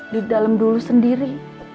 di dalam dulu sendiri